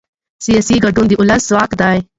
سیاسي ګډون د ولس ځواک دی